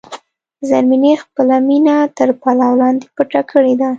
زرمینې خپله مینه تر پلو لاندې پټه کړې ده.